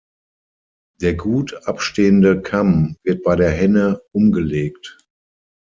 Der gut abstehende Kamm wird bei der Henne umgelegt.